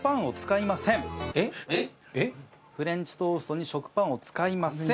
フレンチトーストに食パンを使いません。